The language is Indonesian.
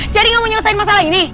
jadi gak mau nyelesain masalah ini